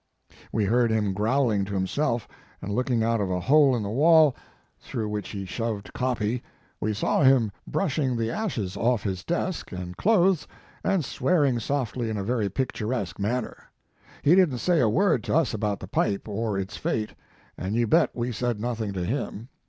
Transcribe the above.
We heard him growling to him self, and looking out of a hole in the wall Mark Twain through which he shoved copy, we saw him brushing the ashes off his desk and clothes and swearing softly in a very picturesque manner. He didn t say a word to us about the pipe or its fate, and you bet we said nothing to him.